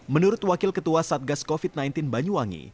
menurut wakil ketua satgas covid sembilan belas banyuwangi